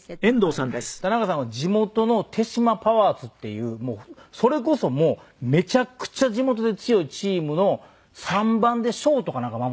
田中さんは地元の豊島パワーズっていうそれこそもうめちゃくちゃ地元で強いチームの３番でショートかなんか守ってたんですよ。